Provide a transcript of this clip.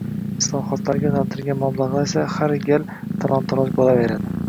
islohotlarga yo‘naltirilgan mablag‘lar esa har gal talon-taroj bo‘laveradi.